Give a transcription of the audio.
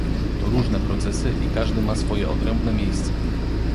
To różne procesy i każdy ma swoje odrębne miejsce